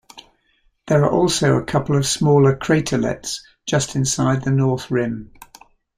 There are also a couple of smaller craterlets just inside the north rim.